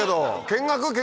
見学？